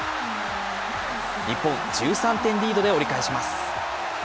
日本、１３点リードで折り返します。